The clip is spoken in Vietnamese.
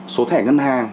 số thẻ ngân hàng